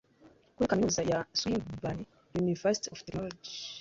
kuri Kaminuza ya Swinburne University of Technology